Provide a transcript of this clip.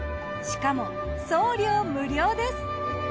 しかも送料無料です。